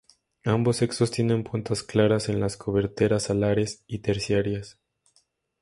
Ambos sexos tienen puntas claras en las coberteras alares y terciarias.